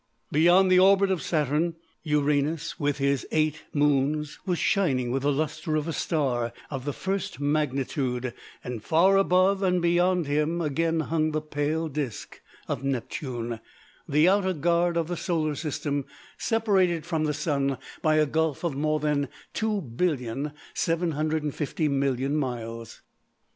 Beyond the orbit of Saturn, Uranus, with his eight moons, was shining with the lustre of a star of the first magnitude, and far above and beyond him again hung the pale disc of Neptune, the Outer Guard of the Solar System, separated from the Sun by a gulf of more than 2,750,000,000 miles.